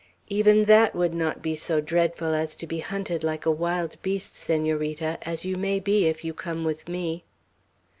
"Even that would not be so dreadful as to be hunted like a wild beast, Senorita; as you may be, if you come with me."